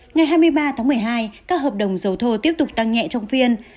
ngày hai mươi ba tháng một mươi hai các hợp đồng dầu thô tiếp tục tăng nhẹ trong phiên